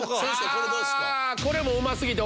これどうですか？